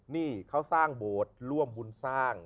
นี่เขาสร้างโบสถ์ร่วมบุญสร้าง